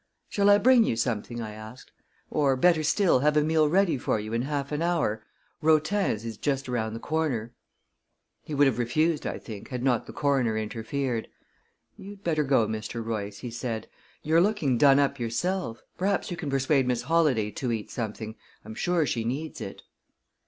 "Shall I bring you something?" I asked. "Or, better still, have a meal ready for you in half an hour? Rotin's is just around the corner." He would have refused, I think, had not the coroner interfered. "You'd better go, Mr. Royce," he said. "You're looking done up yourself. Perhaps you can persuade Miss Holladay to eat something. I'm sure she needs it."